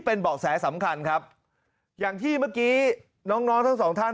เป็นเบาะแสสำคัญครับอย่างที่เมื่อกี้น้องน้องทั้งสองท่าน